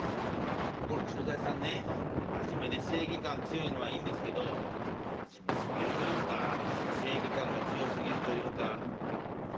いやここの駐在さんね真面目で正義感強いのはいいんですけどまあ真面目すぎるというか正義感が強すぎるというかまあ